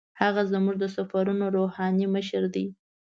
هغه زموږ د سفرونو روحاني مشر دی.